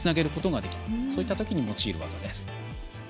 そういったときに用いる技です。